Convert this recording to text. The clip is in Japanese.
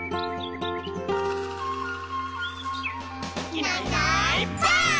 「いないいないばあっ！」